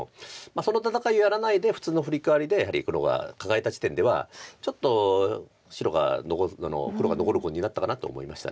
その戦いをやらないで普通のフリカワリでやはり黒がカカえた時点ではちょっと黒が残る碁になったかなと思いました。